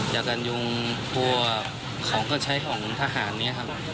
แยกกันยุงพวกของกับห้องทหารครับ